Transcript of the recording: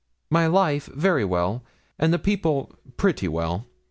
'My life, very well; and the people, pretty well.